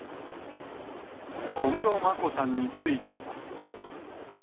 小室眞子さんについては。